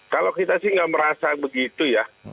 kalau kita sih nggak merasa begitu ya